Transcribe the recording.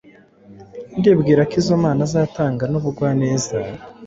Ndibwira ko izo mpano azatanga nubugwaneza